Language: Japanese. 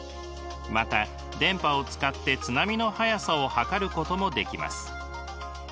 また電波を使って津波の速さを測ることもできます。